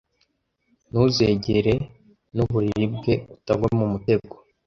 ntuzegere n’uburiri bwe! Utagwa mumutego